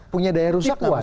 punya daya rusak